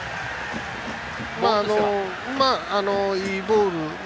まあ、いいボール。